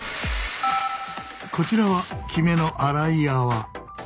こちらはきめの粗い泡。